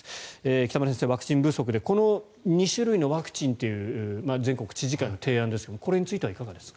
北村先生、ワクチン不足でこの２種類のワクチンという全国知事会の提案ですがこれについてはいかがですか。